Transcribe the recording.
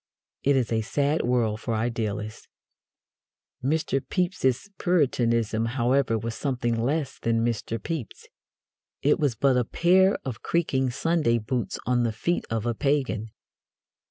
It is a sad world for idealists. Mr. Pepys's Puritanism, however, was something less than Mr. Pepys. It was but a pair of creaking Sunday boots on the feet of a pagan.